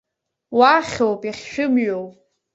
Уахьоуп иахьшәымҩоу!